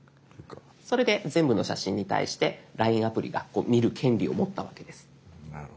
それで全部の写真に対してＬＩＮＥアプリが見る権利を持ったわけです。